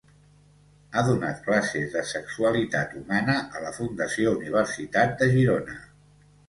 Ha donat classes de sexualitat humana a la Fundació Universitat de Girona.